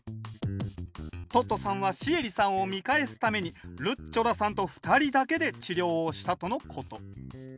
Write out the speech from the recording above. トットさんはシエリさんを見返すためにルッチョラさんと２人だけで治療をしたとのこと。